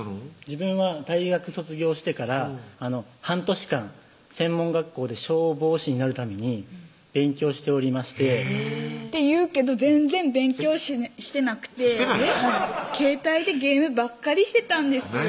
自分は大学卒業してから半年間専門学校で消防士になるために勉強しておりましてって言うけど全然勉強してなくて携帯でゲームばっかりしてたんですよ